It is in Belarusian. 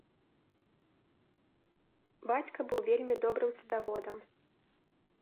Бацька быў вельмі добрым садаводам.